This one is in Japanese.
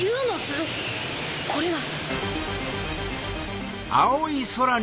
これが。